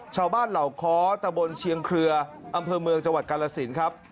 เหล่าค้อตะบนเชียงเครืออำเภอเมืองจังหวัดกาลสินครับ